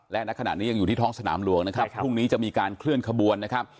และณขณะนี้ยังอยู่ที่ท้องสนามหลวงนะครับพรุ่งนี้จะมีการเคลื่อนขบวนนะครับ